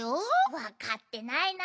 わかってないな。